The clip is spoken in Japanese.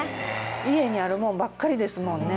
家にあるものばっかりですもんね。